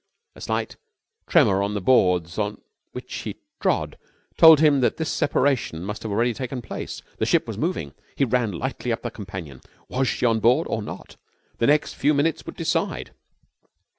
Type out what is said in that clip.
A slight tremor on the boards on which he trod told him that this separation must have already taken place. The ship was moving. He ran lightly up the companion. Was she on board or was she not? The next few minutes would decide.